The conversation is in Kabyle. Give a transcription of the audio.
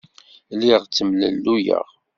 Lliɣ ttemlelluyeɣ.